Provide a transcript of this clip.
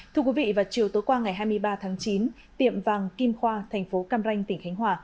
thưa quý vị vào chiều tối qua ngày hai mươi ba tháng chín tiệm vàng kim khoa thành phố cam ranh tỉnh khánh hòa